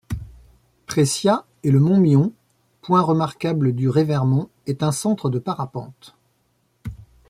Pressiat et le mont Myon, point remarquable du Revermont, est un centre de parapente.